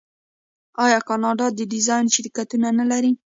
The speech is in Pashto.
آیا کاناډا د ډیزاین شرکتونه نلري؟